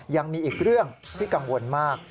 ยังมีอีกเรื่องที่กังวลมาก